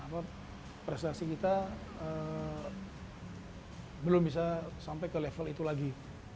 prestasi kita belum bisa sampai ke level itu lagi